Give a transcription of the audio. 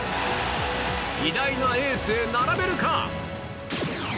偉大なエースへ並べるか！